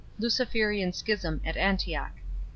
Luciferian schism at Antioch.